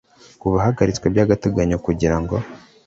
kuva ahagaritswe by agateganyo kugira ngo